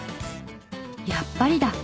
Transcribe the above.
「やっぱりだ！」。